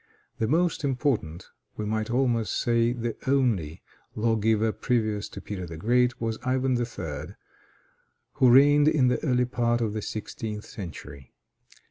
The most important, we might almost say the only lawgiver previous to Peter the Great, was Ivan III., who reigned in the early part of the sixteenth century.